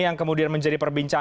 yang kemudian menjadi perbincangan